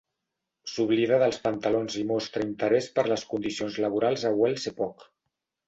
S'oblida dels pantalons i mostra interès per les condicions laborals a Wells Epoch.